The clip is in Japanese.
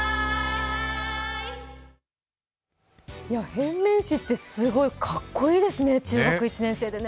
変面師ってすごいかっこいいですね、中学１年生でね。